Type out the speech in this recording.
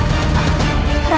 raja ibu nda